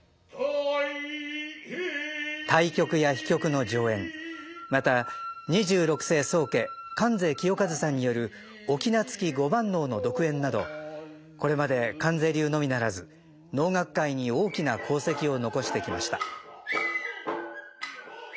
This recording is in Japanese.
大曲や秘曲の上演また二十六世宗家観世清和さんによる「翁附五番能」の独演などこれまで観世流のみならず能楽界に大きな功績を残してきました。